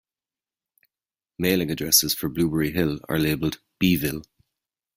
Mailing addresses for Blueberry Hill are labeled "Beeville".